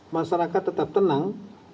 masyarakat tetap tenang